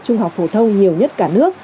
trung học phổ thông nhiều nhất cả nước